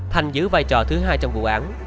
thành giữ vai trò thứ hai trong vụ án